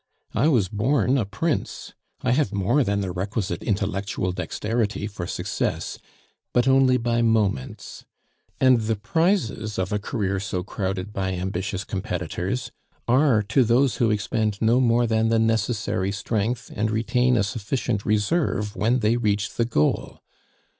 I was born a prince. I have more than the requisite intellectual dexterity for success, but only by moments; and the prizes of a career so crowded by ambitious competitors are to those who expend no more than the necessary strength, and retain a sufficient reserve when they reach the goal.